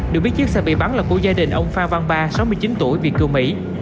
được biết chiếc xe bị bắn là của gia đình ông phan văn ba sáu mươi chín tuổi việt cưu mỹ